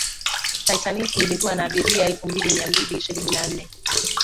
titaniki ilikuwa na abiria elfu mbili mia mbili ishirini na nne